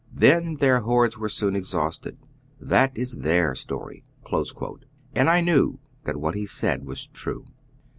Then their hoards were soon exhausted. That is their story." And I knew that what he said was true.